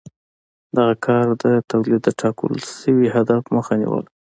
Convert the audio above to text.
دغه کار د تولید د ټاکل شوي هدف مخه نیوله.